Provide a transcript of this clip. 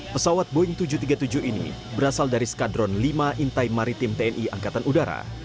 pesawat boeing tujuh ratus tiga puluh tujuh ini berasal dari skadron lima intai maritim tni angkatan udara